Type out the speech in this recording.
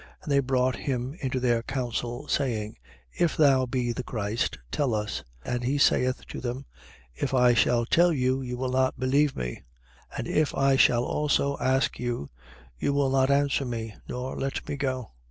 And they brought him into their council saying: If thou be the Christ, tell us. 22:67. And he saith to them: If I shall tell you, you will not believe me. 22:68. And if I shall also ask you, you will not answer me, nor let me go.